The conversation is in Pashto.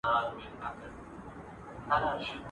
هیلۍ وویل کشپه یوه چار سته !.